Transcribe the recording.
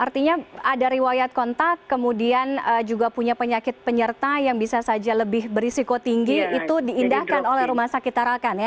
artinya ada riwayat kontak kemudian juga punya penyakit penyerta yang bisa saja lebih berisiko tinggi itu diindahkan oleh rumah sakit tarakan ya